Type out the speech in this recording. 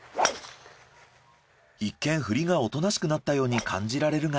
一見振りがおとなしくなったように感じられるが。